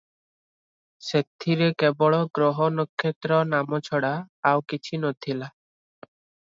ସେଥିରେ କେବଳ ଗ୍ରହ ନକ୍ଷତ୍ର ନାମ ଛଡା ଆଉ କିଛି ନ ଥିଲା ।